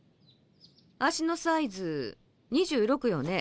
足のサイズ２６よね。